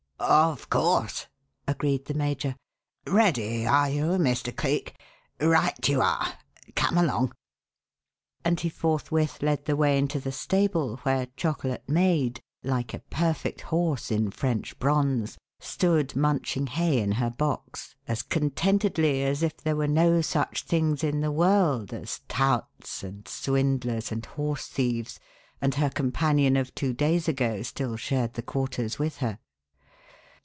"Of course," agreed the major. "Ready are you, Mr. Cleek? Right you are come along." And he forthwith led the way into the stable where Chocolate Maid, like a perfect horse in French bronze, stood munching hay in her box as contentedly as if there were no such things in the world as touts and swindlers and horse thieves, and her companion of two days ago still shared the quarters with her.